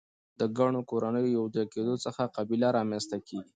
د ګڼو کورنیو د یو ځای کیدو څخه قبیله رامنځ ته کیږي.